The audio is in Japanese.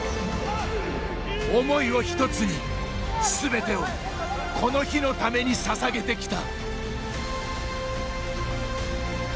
思いを１つに、すべてをこの日のためにささげてきた。